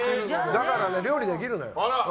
だからね、料理できるのよ。